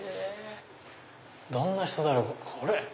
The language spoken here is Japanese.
どんな人だろう？